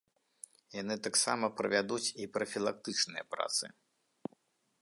Яны таксама правядуць і прафілактычныя працы.